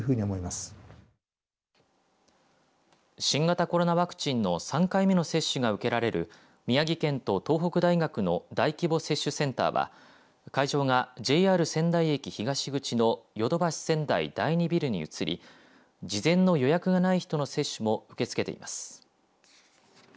新型コロナワクチンの３回目の接種が受けられる宮城県と東北大学の大規模接種センターは会場がＪＲ仙台駅東口のヨドバシ仙台第２ビルに移り事前の予約がない人の接種も受け付けています。